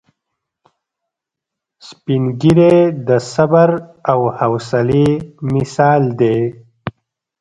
سپین ږیری د صبر او حوصلې مثال دی